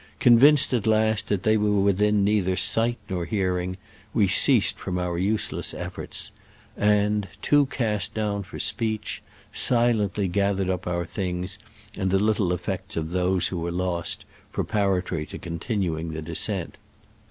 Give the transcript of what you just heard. Convinced at last that ihey were within neither sight nor hear ing, we ceased from our useless efforts, and, too cast down for speech, silently gathered up our things and the little effects of those who were lost, prepara tory to continuing the descent.